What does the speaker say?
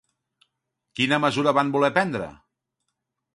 Quina mesura van voler prendre?